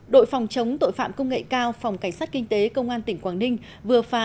đội phòng chống tội phạm công nghệ cao phòng cảnh sát kinh tế công an tỉnh quảng ninh vừa phá